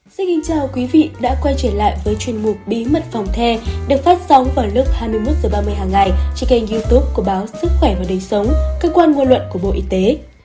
xin kính chào quý vị đã quay trở lại với chuyên mục bí mật phòng the được phát sóng vào lúc hai mươi một h ba mươi hàng ngày trên kênh youtube của báo sức khỏe và đời sống cơ quan ngôn luận của bộ y tế